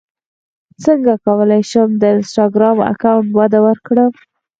څنګه کولی شم د انسټاګرام اکاونټ وده ورکړم